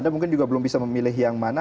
mungkin belum bisa memilih yang mana